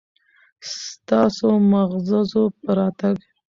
ستاسو معززو په راتګ